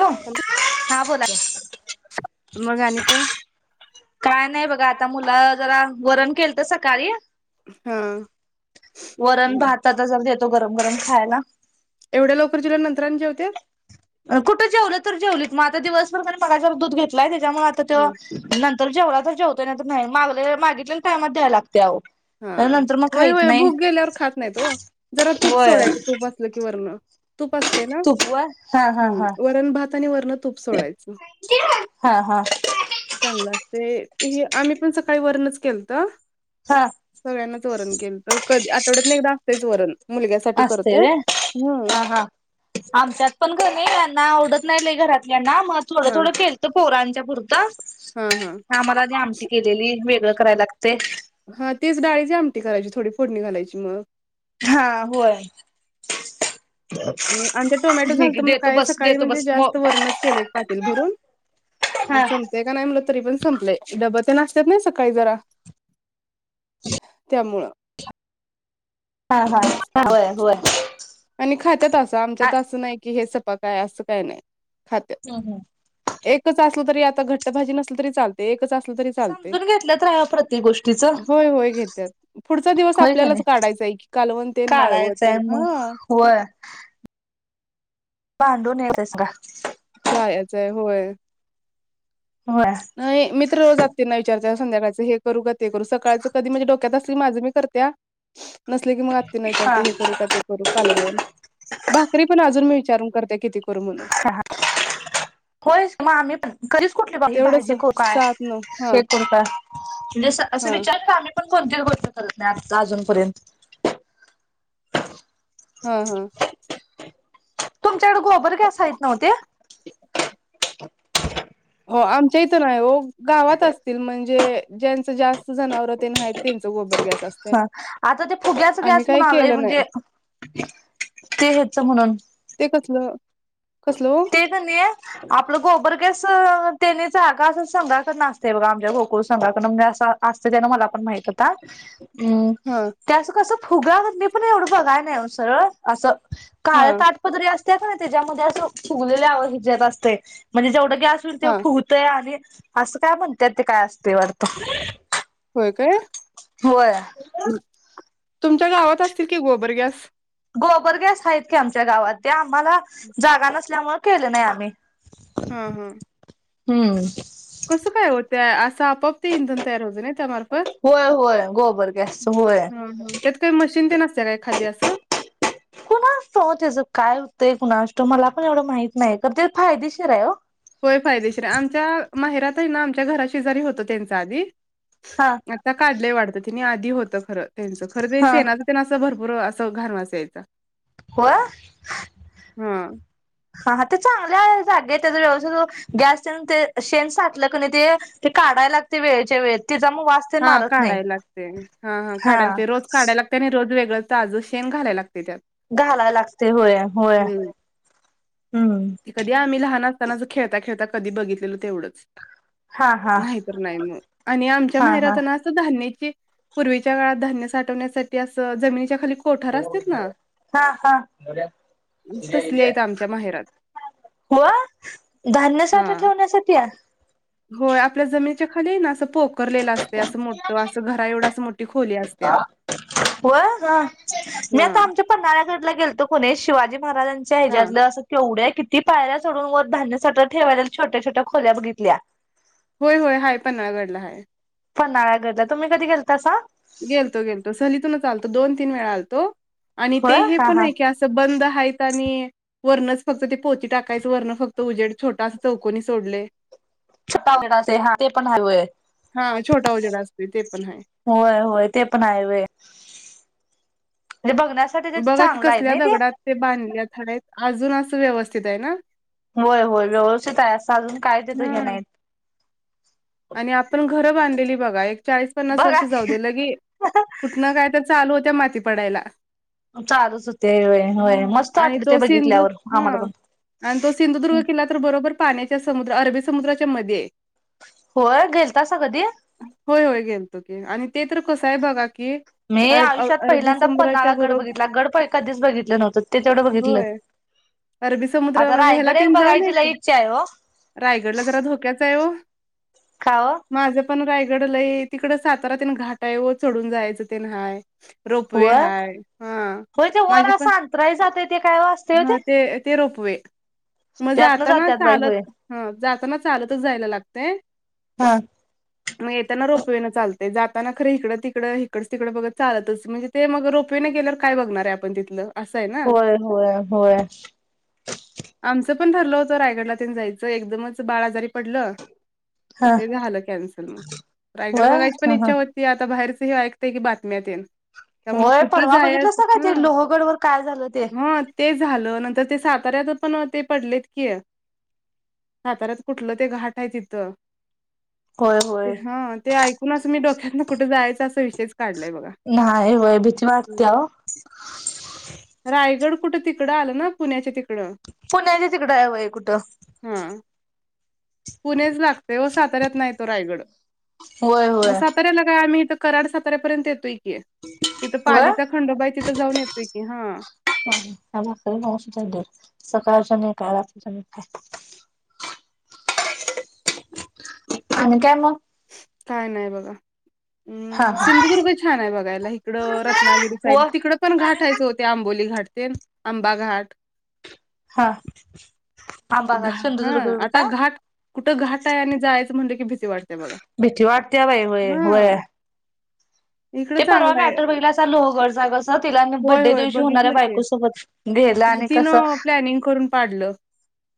Hello, हा बोला की, मग आणि काय? [inaudible] काय नाही बघा आता मुलं जरा वरण केल तर सकाळी. हा. वरण भात आता जर देतो गरम गरम खायला. एवढ्या लवकर जेवल्या नंतर आणि जेवतेत? कुठं जेवलं तर जेवलीत मग आता दिवसभर का नाय मगा जरा दूध घेतलाय त्याच्यामुळे आता हम्म तेव नंतर जेवला तर जेवतय नाहीतर नाही मागले मागितल्याला टायमात द्यायला लागते आव. हा तर नंतर मग होय खाईत नाही. [inaudible] खात नाहीत ओ, जरा तूप होय सोडायच तूप असलं की वरणं. तूप असतेय ना तुपवर हा हा हं, हा वरण भात आणि वरण तूप सोडायचं [unintelligible] हा हा चांगलं असतेय, आम्ही पण सकाळी वरणच केलत. हा. सगळ्यांनाच वरण केलं तर कधी आठवड्यातन एकदा असतेच वरण मुलग्यासाठी असतंय करतोय व्हय हम्म. हा हा आमच्यात पण घ नाही यांना आवडत नाही लय घरातल्याना मग थोडं हा थोडं केल पोरांच्या पुरतं हा हा आम्हाला आणि आमटी केलेली वेगळं करायला लागतेय. हा तेच डाळीची आमटी करायची थोडी फोडणी घालायची मग हा होय. [inaudible] आमच्यात टोमॅटो झालत म्हणून देतो काय बस सकाळी देतो म्हणजे बस मो जास्त वरणच केलं एक हा ते का नाही म्हटलं तरी पण संपलंय डबं तेन असतात नाही सकाळी जरा त्यामुळं. हा हा, होय-होय आणि खात्यात असं आमच्यात असं नाही की हे सपाक हाय असं काय नाही खात्या हं हं एकच असलं तरी आता घट्ट भाजी नसल तरी चाल ते एकच असलं तरी चालतेय, समजून घेतलंत राहावा प्रत्येक गोष्टीच होय होय घेत्यात. पुढचा दिवस होय का आपल्यालाच नाही. काढायचा आहे की कालवंण तेन माळवं काढायचंय तेन मग हा. होय बांधुन येतेस का? जायचं आहे होय. होय नाही मी तर रोज आत्यीना विचारते संध्याकाळचं हे करू का ते करू सकाळचं कधी म्हणजे डोक्यात असली की माझं मी करत्या नसले की मग आत्याना हा विचारते हे करू का ते करू. कालवण भाकरी पण अजून मी विचारून करते किती करू म्हणून होयस म आम्ही पण. कधीच कुठली [unintelligible] ही तेवढंच भाजी करु काय, सात नऊ हा हे करू काय म्हणजे असं असं हा विचार ता आम्ही. पण कोणत्याही गोष्ट करत नाही, आता अजूनपर्यंत. हा हा! तुमच्याकड गोबर गॅस हाईत नव्हत्या? हो आमच्या इथं नाही हो गावात असतील, म्हणजे ज्यांच जास्त जनावर तेन आहे त्यांच गोबर अस हं आता ते फुग्याच गॅस स म्हणून आलंय, केलं म्हणजे नाही ते हेच म्हणून. ते कसलं, कसल ओ? ते कनीये आपलं गोबरगॅस त्यानी जागा असं संघाकडन आसतय बघा, आमच्या गोकुळ संघाकडन म्या आसा. असतं त्यान मला पण माहित होता. हूं हा त्या असं कसं फुगा मदले पण एवढं बघाया नाही ओ सरळ आसं. हा काळ्या ताटपदरी असत्या का नै त्याच्यामध्ये असं फुगलेल्या आवं हिच्यात असतय म्हणजे जेवढं गॅस तुरतेय ते हा फुगतय आणि आसं काय म्हणत्यात ते काय असतेय वाटतं. होय काय, होय तुमच्या गावात असतील कि गोबर गॅस? गोबर गॅस आहेत की आमच्या गावात, ते आम्हाला जागा नसल्यामुळे केल नाही आम्ही. हं हं! हूं! कसं काय ओ त्या असं आपोआप ते इंधन तयार होत नाही. होय होय, गोबर गॅसच होय. हा हा त्यात काही मशीन ते नसत्या काय खाली असं कुनां असत वो त्याचं काय होतय, कुणास ठाव, मला पण एवढं माहित नाही, खरं ते फायदेशीर आहे हो. होय फायदेशीर आहे, आमच्या माहेरात आहे ना आमच्या घरा शेजारी होत त्यांचा आधी. [inaudible] आता काढलय वाटत तीनी आधी होत खरं त्यांचं खर ते हा शेनाच त्यांन असं भरपूर असं घाण वास यायचा. हो हां हा हा ते चांगल्याय जागेतच व्यवसुहो [unintelligible] गॅस तेन ते शेण साठलं क नाही ते, ते काढाय लागतय वेळेच्या वेळेत तेचा म वास तेन हा मारत नाही. काढाय लागतय, हा हा काढायला ते रोज काढायला लाग त्याने रोज वेगळं ताजं शेंन घालाया लागतय त्यात. घालाया लागतय होया होया हूं. ती कधी आम्ही लहान असतांना अस खेळता खेळता कधी बघितलेल तेवढंच. हा हा नाहीतर नाही म आणि आमच्या हा हा माहेरात नां. असं धान्याची पूर्वीच्यां धान्य साठवण्यासाठी आसं जमीनीच्या खाली कोठार असतात ना तसली आहेत आमच्या माहेरात. [unintelligible] हो धान्य साठा हां ठेवण्यासाठीया. होय आपल्या जमिनीच्या खाली हे ना असं पोक करलेलं असतेया असं मोठं असं घरा एवढ अस मोठी खोली असत्या. अ रा मी आता हां आमच्या पन्हाळ्यागडला गेलतो कोणी शिवाजी महाराजांच्या हा ह्याच्यातलं अस तेवढ्या किती पायऱ्या चडून वर धान्यसाठा ठेवां लेल्या छोट्या छोट्या खोल्या बघितल्या. होय होय हाय पन्हाळगडला हाय. पन्हाळा गडला तुम्ही कधी गेलतासा? गेलतो गेलतो सहलीतूनच आलतो दोन तीन वेळा आलतो, आणि होय ते हे हा पण हा आहे की असं बंद आहेत आणि वरणच फक्त ते पोती टाकायचं, वरण फक्त उजेड छोटास चौकोनी सोडलय. छोटा [unintelligible] हा ते पण हाय होय. हा, छोटा उजेड असतील ते पण हाय. होय होय ते पण आहे वे म्हणजे बघण्यास बघा की कसल्या दगडात ते बांधल्यात [unintelligible] अजून असं व्यवस्थित आहे ना. होय होय व्यवस्थित आहे, असं अजून काय हा तिथं हे नाही. आणि आपण घरं बांधलेली बघा एक चाळीस पन्नास बघा वर्ष जाऊ दे लगी कुठनं काय तर चालू होत्या माती पडायला. चालूच होतय व्हय होय हा मस्त आणि वाटलं ते तो सिंधू बघितल्यावर हा आम्हाला पण. आणि तो सिंधुदुर्ग किल्ला तर बरोबर पाण्याच्या समुद्र अरबी समुद्राच्या मध्यी आहे. होय, गेलतासा कधी? होय होय गेलतो की आणि ते तर कसं आहे बघा की मी अर अ आयुष्यात अरबी पहिल्यांदा पन्नाळा समुद्राच्या गड बरोबर बघितला, गड पाय कधीच बघितलं नव्हतं ते तेवढं बघितलं. होय अरबी समुद्र आता म्हणजे ह्याला रायगड एक तेन जाऊन आहे बघायची की लई इच्छा आहे हो. रायगडला जरा धोक्याचा आहे हो. का ओ? माझं पण रायगड लई तिकडं सातारा तेन घाट आहे ओ चढून जायचं तेन हाय. रोपवे वर हाय हा होय ते वर माझे पण असं अंतराळी जातय ते काय ओ असतय ओ हा ते ते रोपवे म त्यातनं जाताना जात्यात बाई चालत होय. हा जाताना चालतच जायला लागतय. हा. मग येताना रोपवे न चालतंय जाताना खरं इकडं तिकडं इकडच तिकडं बघत चालतच म्हणजे ते मग रोपवे ने गेल्यावर काय बघणार आहे आपण तिथलं? असं आहे ना हो होया होया. आमचं पण ठरलं होतं रायगडला तेन जायचं एकदमच बाळ आजारी पडलं. हा ते झालं कॅन्सल म रायगड होय बघायची पण हा हा. इच्छा हो ती आता बाहेरच हे ऐकताय की बातम्या तेन तर मग होय कुठं परवा बघितलंसा काय जायचं ते हा लोहगडवर काय झालं ते? मत ते झालं नंतर ते साताऱ्यात पण ते पडलेत कीय साताऱ्यात कुठलं ते घाट आहे तिथं होय ते होय. हा ते ऐक कून असं मी डोक्यातंन कुठे जायचं असं विषयच काढलाय बघा. नाही व्हय भीती वाटत्या ओ. रायगड कुठं तिकडं आलं ना पुण्याच्या तिकडं? पुण्याच्या तिकडं आहे व्हय कुठं. हा पुणेच लागते ओ साताऱ्यात नाही तो रायगड होय म होय साताऱ्याला काय आम्ही इथं कराड सातऱ्यापर्यंत येतोय की तिथं होय. पालीचा खंडोबा हाय तिथं जाऊन येतोय की हा. [inaudible] लागतोय [unintelligible] सकाळच्या नाही काय रात्रीच्या नाही काय. आणि काय मग? काय नाय बघा. हा उम्म हा सिंधुदुर्ग छान आहे बघायला इकडं रत्नागिरी साईड वर तिकडं पण घाट आहेच हो ते आंबोली घाट तेन आंबा घाट हा आंबा घा घाट हा सिंधुदुर्ग [unintelligible] आता का? घाट कुठं घाट आहे आणि जायचं म्हटलं की भीती वाटतेय बघा भीती वाटते बाई होय होय हा. इकडं ते परवा चांगलं आहे मॅटर बघितलासा लोहगडचा कसा तिलाने होय बड्डे दिवशी होणाऱ्या बायको सोबत. गेलं आणि कसं तिनं प्लॅनिंग करून पाडलं.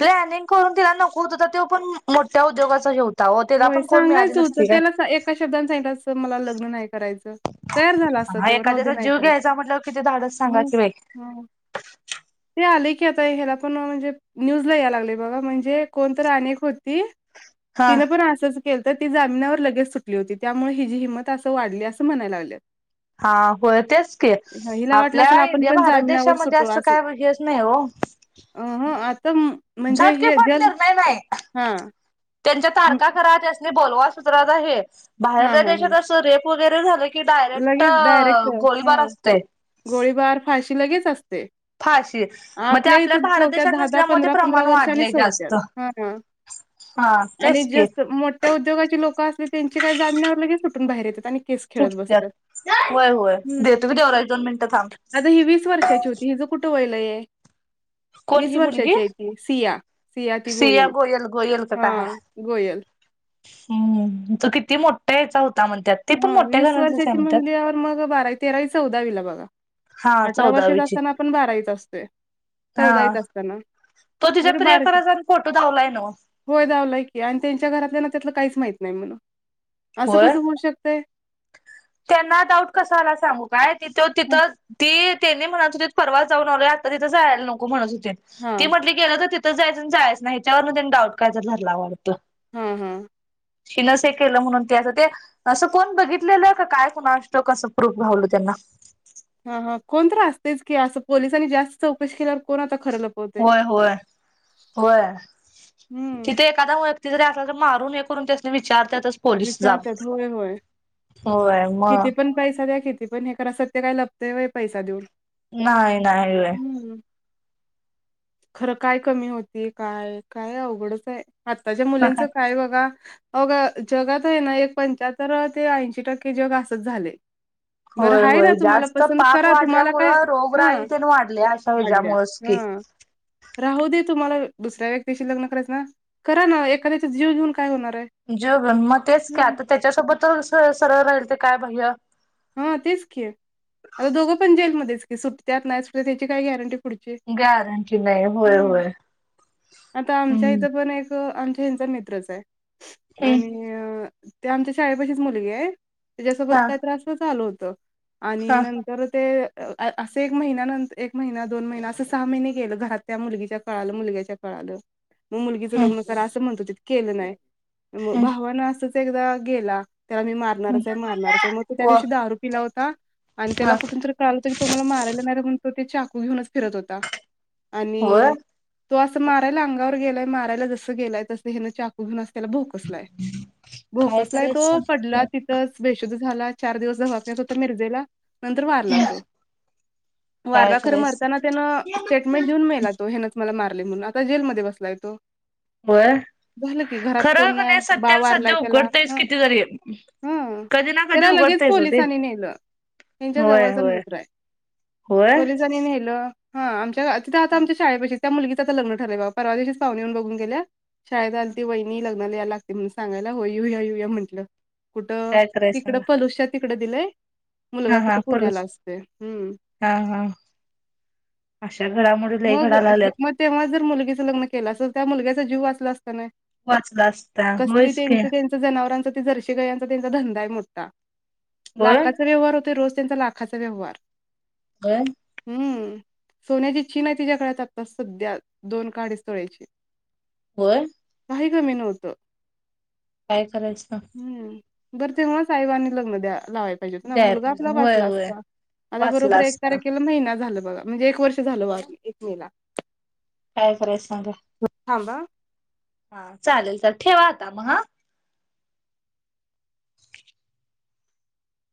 प्लॅनिंग करून तिला नको होता, त्यो पण मोठ्या उद्योगचा हे हो त्याला होय पण कोण मिळाली सांगायचं होतं नसती काय? त्याला सा एका शब्दाने सांगितलं असतं मला लग्न नाही करायचं. तयार झाला असता हा त्यो राहू दे एखाद्याचा नाही जीव करत, घ्यायचा म्हटल्यावर किती धाडस सांगा हम् की बाई हम ते आलयं की आता ह्याला पण म्हणजे न्यूजला यायला लागलंय बघा म्हणजे, कोण तर आणि एक होती हा तिनं पण असचं केलतं ती जामिनावर लगेच सुटली होती, त्यामुळे हिची हिंमत असं वाढली असं म्हणायला लागल्यात. हा होय तेच की हां, हिला वाटलं आपल्या असेल आपण इंडिया पण भारत जामिनावर देशामध्ये असं काय हेच नाही हो अंह, आपण झट की फट निर्णय नाही. त्यांच्या हं, तारखा करा, त्यास्नी बोलवा सतरादा हे हां बाहेरल्या हां हां देशात अस रेप वगैरे झालं की डायरेक्ट लगेच डायरेक्ट गोळीबार हां असतंय. गोळीबार, फाशी लगेच असते. फाशीच मग ते आपल्या इथं भारत ठेवत्यात देशात दहा दहा नसल्यामुळे पंधरा पंधरा प्रमाण वर्षांनी वाढलेय सोडत्यात. जास्त. हा हा. हा तेच की त्या उद्योगाची लोकं असले त्यांची काही जामीण्यावर लगेच सुटून बाहेर येतात आणि केस खेळत बस सुटत्यात ताथ, होय होय हम्म-हम् देतो की देवराज दोन मिनिटं थांब आता ही वीस वर्षाची होती हिजं कुठं वय लई ये. कोण ही मुलगी सिया गोयल, गोयल हा क गोयल. हम्म-हम्म तो किती मोठा याचा होता म्हणत्यात ति पण हा मोठ्या वीस घरातलिचं आहे वर्षाची म्हणत्यात. म्हणल्यावर मग बारावी, तेरावी, चौदावीला बघा हा अठरा वर्ष चौदावीची असताना आपण बारावीच असतोय. हा चौदावीत असताना तो तिच्या कुठे बारावी प्रियकरा चा आणि फोटो दावलाय ना व होय दावलाय की, आणि त्यांच्या घरातल्या ना त्यातलं काहीच माहीत नाही म्हणून असं होय कसं होऊ शकतं ये? त्यांना डाऊट कसला सांगू काय, तिथ -तिथ ती त्यानी म्हणत होतेत परवाच जाऊ आलोया आता तिथं जायला नको म्हणत होतीत ती हा. म्हटली गेलं तर तिथं जायचं, जायच नाही त्यावर त्यांनी डाऊट काय तर धरला वाटतं. हं, हं, हिनचं ते केलं म्हणून ते अस ते असं कोण बघित कुठलं का काय कोणास ठाऊक असं प्रूफ घावल त्यांना हा, हा कोणतरी असतेच की असं पोलिसांनी जास्त चौकशी केल्यावर कोणच खरं लपत होय, होय, होय हम्म तिथे एखादा व्यक्ती जरी असला तरी मारून हे करून त्यास विचारत्यातच. पोलीस जाब, विचारतात होय होय होय म किती पण पैसा द्या किती पण, हे करा सत्य काय लपतंय व्हय पैसा देऊन, नाही नाही हम्म. खरं काय कमी होती, काय -काय अवघडच आहे. आत्ताच्या होय. मुलींचं काय बघा, अघं जगात आहे ना एक पंच्याहत्तर ते ऐंशी टक्के जग असचं झालंय. बरं होय आहे ना होय तुम्हाला जास्त पसंत पाप करा तुम्हाला काय वाढल्यामुळं रोगराई हं तेन वाढल्या अशा वाडल्या ह्याच्यामुळंच हा की. राहू दे तुम्हाला दुसऱ्या व्यक्तीशी लग्न करायच ना करा ना एखाद्याचा जीव घेऊन काय होणार आहे? जिव घेऊन म तेच का हं. आता त्याच्यासोबत सरळ-सरळ राहिलं त काय भय यं हा तेच की, आता दोघं पण जेलमध्येच की सुट्टत्यात, नाही सूटत त्याची काय गॅरंटी पुढची, गॅरंटी नाही होय हं होय आता आमच्या हम्म इथं पण एक आमच्या ह्यांचा मित्रच आहे आणि अं ते आमच्या शाळेपाशीच मुलगी आहे त्याच्यासोबत हा काय असंच झालं होत. आणि हा नंत तर ते असं एक महिन्यानंतर एक महिना दोन महिना असं सहा महिने गेलं घरात त्या मुलगीच्या कळाल. मुलग्याच्या कळालं. मग मुलगीचं हम्म लग्न करा असं म्हणत होतीत केलं नाही मग हम्म भावान असच एकदा गेला त्याला मी हम्म मारणारच आहे मारणारच आहे. प त्या व दिवशी दारू पीला होता आणि त्याला हा कुठून कुठून तर कळालं होतं तो मला मारायला येणार आहे म्हणून तो ते चाकू घेऊनच फिरत होता. होय आणि तो असं मारायला अंगावर गेलाय माराय जसं गेलाय तसं हेन चाकू घून त्याला असा भोकसलाय. काय भोकसलाय तो करायचं पडला तिथच बेशुद्ध झालाय. चार दिवस दवाखान्यात होता मिरजेला. नंतर वारला तो. काय वारला खर करायचं मरताना त्या न स्टेटमेंट देऊन मेला तो ह्यानच मला मारले म्हणून आता जेलमध्ये बसलाय तो. होय. झालं की घरात खरं कोण क नाही बा सत्याला वारलाय सध्या त्याला. उघडतायच ह. किती जरी हम. कधी ना कधी त्याला लगेच उघडतायच हो ते पोलिसांनी नेलं. ह्यांच्या होय जवळचा होय मित्र आहे होय पोलिसांनी नेलं. हा आमच्या तिथ आमच्या शाळेपाशीच त्या मुलगीच आता लग्न ठरलंय बघा परवा दिवशीच पाहुणे येऊन बघून गेल्यात. शाळेत आली होती वहिणी लग्नला याय ला लागतय म्हणून सांगायला. होय येऊया येऊ या म्हटलं. कुठं काय करायच तिकड सांगा पलुश च्या तिकडे दिलंय मुलगा हा हा कुठे पुण्याला पलूस असतोय. हम्म. हा हा. अशा घडामोडी लई मग घडा लागल्यात मग तेव्हा जर मुलगीचं लग्न केलं असतं तर त्या मुलग्याचा जीव वाचला असता काय नाही? वाचला असता कसली होयच की त्यां जनाावारंचं जर्शी गयांचा त्यांचा धंदा मोठा. होय लाखां चा व्यवार होतोय रोज त्यांचा ला खाचा व्यवहार. होय. हम्म. सोन्याची चीन आहे तिच्या गळ्यात आता सध्या दोन का अडीच तोळ्याची. होय. काही कमी नव्हतं. काय करायचं सांग. हम्म. बरं तेव्हाच आई-बांनी लग्न द्या लावाय पाहिजे होत ना. द्याय मुलगा पाहिजे आपला होय बाजूला होय असता आता वाचला बरोबर एक असता तारखेला महिना झाला बघा. म्हणजे एक वर्ष झालं होय वारून एक मे ला. काय करायच सांगा. थांबा. हा. चालेल ल ठेवा आता मग हा.